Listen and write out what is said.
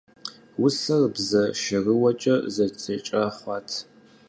Усэр бзэ шэрыуэкӀэ зэдзэкӀа хъуат.